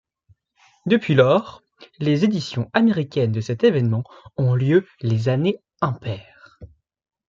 Depuis lors, les éditions américaines de cet événement ont lieu les années impaires.